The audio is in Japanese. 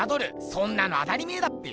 そんなの当たり前だっぺよ。